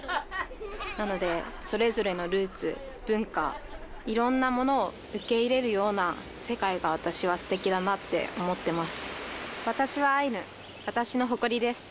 なので、それぞれのルーツ、文化、いろんなものを受け入れるような世界が私はステキだなって思っています。